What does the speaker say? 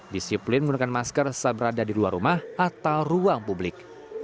disiplin menggunakan masker saat berada di luar rumah atau ruang publik